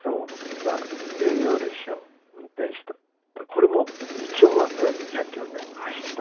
これも一応はとりあえず２００キロで走った。